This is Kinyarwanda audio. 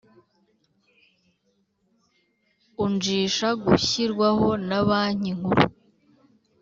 unjisha gishyirwaho na Banki Nkuru